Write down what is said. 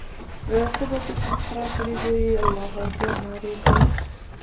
د قبة الصخره په لیدو یې الله اکبر نارې کړه.